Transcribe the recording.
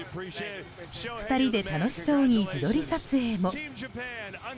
２人で楽しそうに自撮り撮影も。